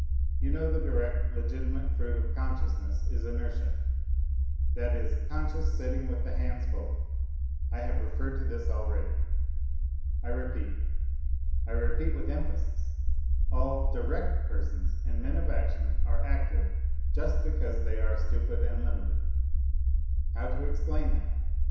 You know the direct, legitimate fruit of conscious ness is inertia, that is, conscious sitting with the hands folded. I have referred to this already. I repeat, I repeat with emphasis : all " direct " persons and men of action are active just because they are stupid and limited. How explain that